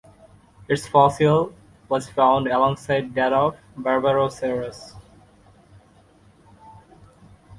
Its fossil was found alongside that of "Berberosaurus".